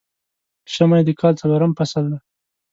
ژمی د کال څلورم فصل دی